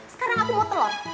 sekarang aku mau telur